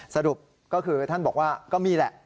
สรุปก็คือท่านบอกว่าก็มีแหละ